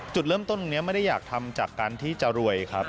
จุดเริ่มต้นตรงนี้ไม่ได้อยากทำจากการที่จะรวยครับ